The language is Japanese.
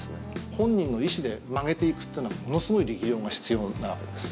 本人の意思で曲げていくというのはものすごい力量が必要なわけです。